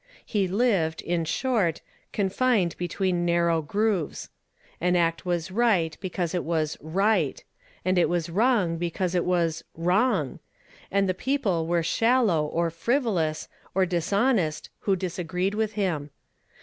He lived, in short, confined between narrow grooves. An act was right because it was n'l/hf, and it was wrong because it was ivrong ; and the peoi)le were " shallow " or " frivolous " or " dis honest" who disagreed with him.